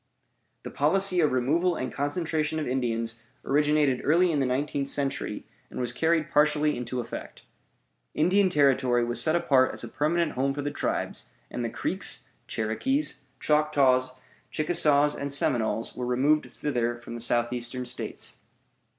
The policy of removal and concentration of Indians originated early in the nineteenth century, and was carried partially into effect. Indian Territory was set apart as a permanent home for the tribes, and the Creeks, Cherokees, Choctaws, Chickasaws, and Seminoles were removed thither from the Southeastern States.